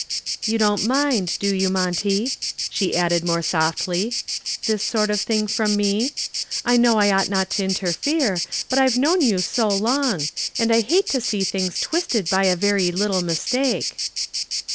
"You don't mind, do you, Monty," she added, more softly, "this sort of thing from me? I know I ought not to interfere, but I've known you so long. And I hate to see things twisted by a very little mistake."